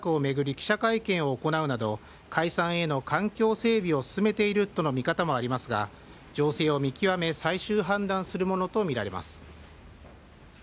記者会見を行うなど、解散への環境整備を進めているとの見方もありますが、情勢を見極め、最終判断するものと見られます。